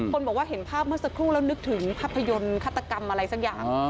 คนบอกว่าเห็นภาพเมื่อสักครู่แล้วนึกถึงภาพยนตร์ฆาตกรรมอะไรสักอย่าง